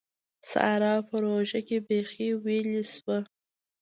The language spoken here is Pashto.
سارا په روژه کې بېخي ويلې شوه.